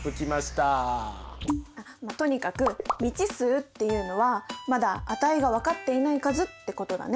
まっとにかく未知数っていうのはまだ値が分かっていない数ってことだね。